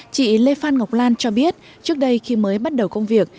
chị lê phan ngọc lan cho biết trước đây khi mới bắt đầu công việc